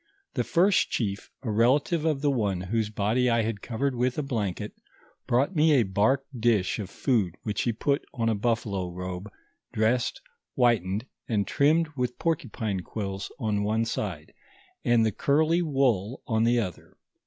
The first chief, a relative of the one whose body I had covered with a blanket, brought nr,e a bark dish of food which he put on a buflfalo robe, dressed, whitened, and trimmed with por cupine quills on one side, and the curly wool on the other.